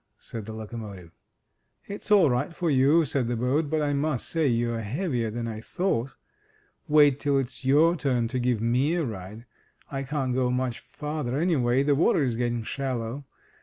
said the locomotive. It's all right for you,'' said the boat; "but I must say you're heavier than I thought. Wait till it's your turn to give me a ride. I can't go much farther, anyway, the water is getting shallow.